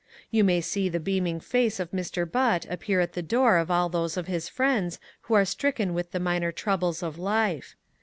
You may see the beaming face of Mr. Butt appear at the door of all those of his friends who are stricken with the minor troubles of life.